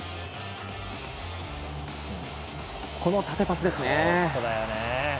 この縦パスですね。